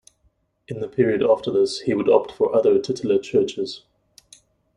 In the period after this, he would opt for other titular churches.